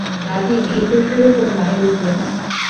নাজিম এই প্রশ্নেরও কোনো মানে বুঝল না।